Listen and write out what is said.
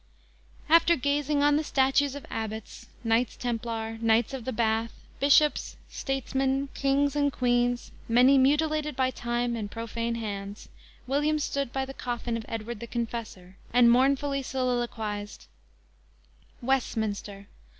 After gazing on the statues of abbots, Knights Templar, Knights of the Bath, bishops, statesmen, kings and queens, many mutilated by time and profane hands, William stood by the coffin of Edward the Confessor and mournfully soliloquized: _Westminster!